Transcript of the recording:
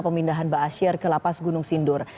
pemindahan ba'asyir ke lapas gunung sindur